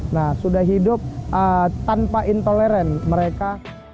nah sudah hidup tanpa intoleran mereka